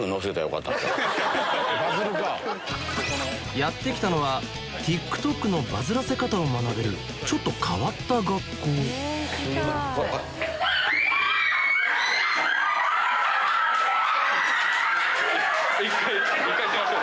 やって来たのはＴｉｋＴｏｋのバズらせ方を学べるちょっと変わった学校１回閉めましょう。